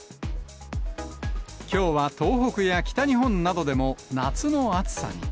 きょうは東北や北日本などでも夏の暑さに。